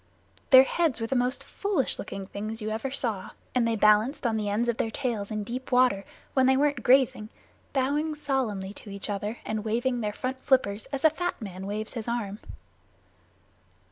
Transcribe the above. Their heads were the most foolish looking things you ever saw, and they balanced on the ends of their tails in deep water when they weren't grazing, bowing solemnly to each other and waving their front flippers as a fat man waves his arm.